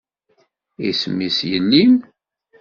Isem-is yelli-m?